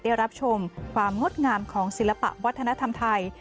ได้รับชมความงดงามของศิลปะวัฒนธรรมไทย